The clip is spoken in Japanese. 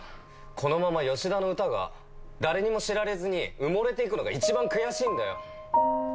このまま吉田の歌が誰にも知られずに埋もれていくのが一番悔しいんだよ。